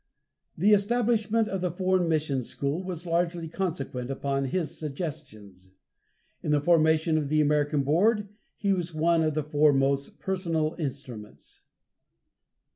The establishment of the Foreign Mission School was largely consequent upon his suggestions; in the formation of the American Board he was one of the foremost personal instruments.